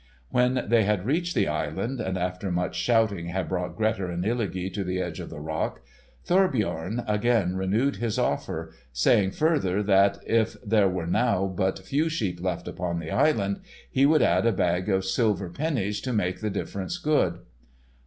When they had reached the island, and after much shouting had brought Grettir and Illugi to the edge of the rock, Thorbjorn again renewed his offer, saying further that if there were now but few sheep left upon the island, he would add a bag of silver pennies to make the difference good.